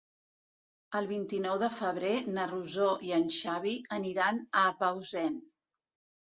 El vint-i-nou de febrer na Rosó i en Xavi aniran a Bausen.